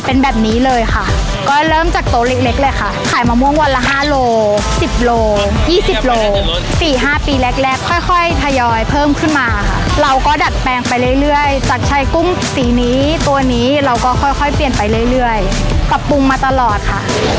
ปรับปรุงมาตลอดค่ะ